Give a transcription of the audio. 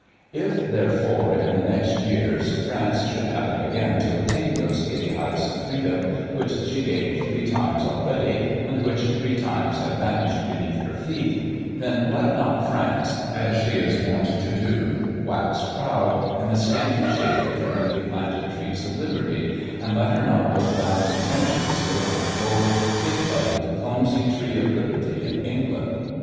If, therefore, in the next years, France should happen again to attain those giddy heights of freedom, which she gained three times already, and which three times have vanished beneath her feet, then let not France, as she is wont to do, wax proud in the scanty shade of her newly planted trees of liberty, and let her not look down contemptuously on the cold, thickblooded, clumsy tree of liberty in England.